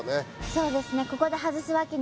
そうですねはい